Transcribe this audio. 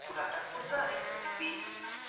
په دغه ودانۍ کي یو شکر د واقعیت په جامه کي راغلی.